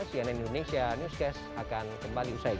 cnn indonesia newscast akan kembali usai jeda